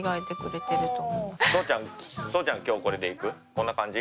こんな感じ？